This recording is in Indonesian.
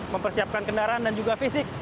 mempersiapkan kendaraan dan juga fisik